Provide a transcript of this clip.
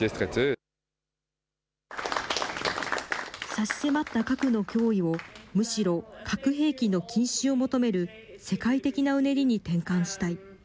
差し迫った核の脅威を、むしろ核兵器の禁止を求める世界的なうねりに転換したい。